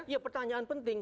iya pertanyaan penting